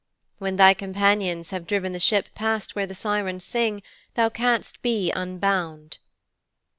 When thy companions have driven the ship past where the Sirens sing then thou canst be unbound."'